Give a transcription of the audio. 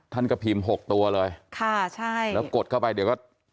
ท่านก็พิมพ์หกตัวเลยค่ะใช่แล้วกดเข้าไปเดี๋ยวก็